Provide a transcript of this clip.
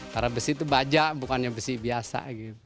karena besi itu baja bukannya besi biasa